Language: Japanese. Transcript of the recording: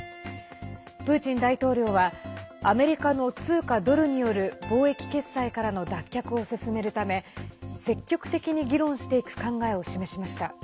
プーチン大統領はアメリカの通貨ドルによる貿易決済からの脱却を進めるため積極的に議論していく考えを示しました。